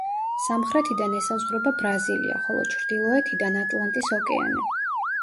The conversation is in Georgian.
სამხრეთიდან ესაზღვრება ბრაზილია, ხოლო ჩრდილოეთიდან ატლანტის ოკეანე.